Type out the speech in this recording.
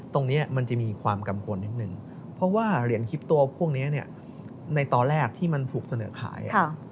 ตรงนี้มันจะมีความกังวลนิดนึงเพราะว่าเหรียญคลิปตัวพวกนี้ในตอนแรกที่มันถูกเสนอขาย